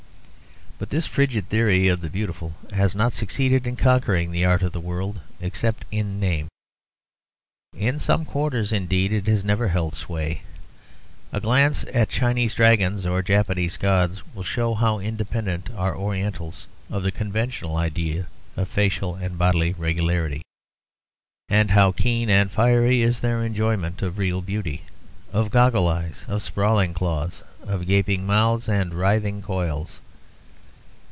But this frigid theory of the beautiful has not succeeded in conquering the art of the world, except in name. In some quarters, indeed, it has never held sway. A glance at Chinese dragons or Japanese gods will show how independent are Orientals of the conventional idea of facial and bodily regularity, and how keen and fiery is their enjoyment of real beauty, of goggle eyes, of sprawling claws, of gaping mouths and writhing coils.